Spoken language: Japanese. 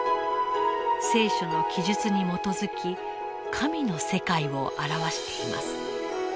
「聖書」の記述に基づき神の世界を表しています。